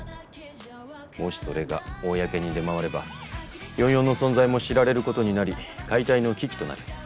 もしそれが公に出回れば４４の存在も知られる事になり解体の危機となる。